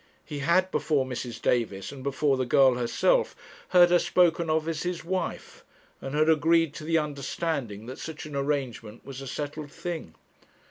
He had, before Mrs. Davis, and before the girl herself, heard her spoken of as his wife, and had agreed to the understanding that such an arrangement was a settled thing.